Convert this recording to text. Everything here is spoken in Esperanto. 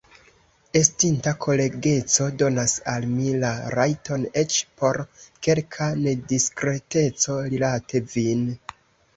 Estinta kolegeco donas al mi la rajton eĉ por kelka nediskreteco rilate vin.